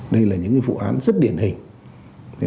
đây là những vụ án rất điển hình